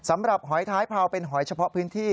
สำหรับหอยท้ายพราวเป็นหอยเฉพาะพื้นที่